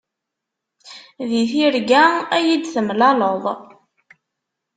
Di tirga ad yi-d-temlaleḍ.